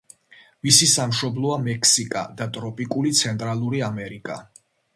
მისი სამშობლოა მექსიკა და ტროპიკული ცენტრალური ამერიკა.